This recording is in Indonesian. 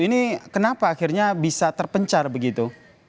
ini kenapa akhirnya bisa terpencar begitu